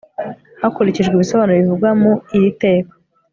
hakurikijwe ibisobanuro bivugwa muiri teka